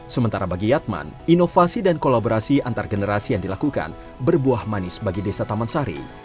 sementara bagi yatman inovasi dan kolaborasi antar generasi yang dilakukan berbuah manis bagi desa taman sari